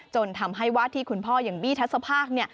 จนทำให้วาดที่คุณพ่ออย่างบี้ทัศภาค